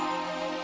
aku mau ke rumah